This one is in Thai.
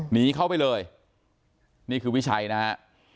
หนีเข้าไปเลยนี่คือวิชัยนะฮะ